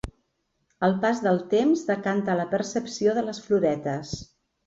El pas del temps decanta la percepció de les floretes.